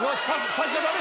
差しちゃダメ！